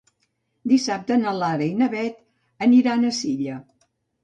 Dissabte na Lara i na Beth aniran a Silla.